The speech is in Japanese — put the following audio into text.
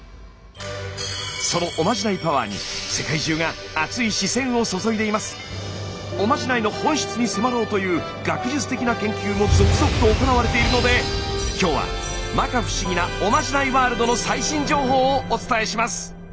そのおまじないパワーにおまじないの本質に迫ろうという学術的な研究も続々と行われているので今日は摩訶不思議なおまじないワールドの最新情報をお伝えします！